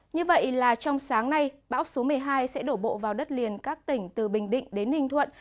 như vậy là trong sáng nay bão số một mươi hai sẽ đổ bộ vào đất liền các tỉnh từ bình định đến ninh thuận